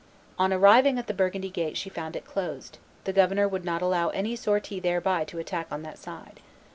On arriving at the Burgundy gate she found it closed; the governor would not allow any sortie thereby to attack on that side.